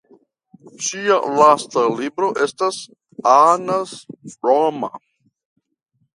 Ŝia lasta libro estas "Annas blomma".